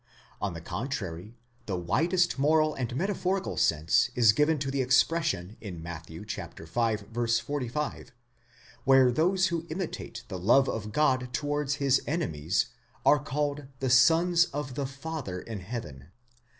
On the contrary, the widest moral and metaphorical sense is given to the expression in Matt. v. 45, where those who imitate the love of God towards his enemies are called the sons of the Father in heaven.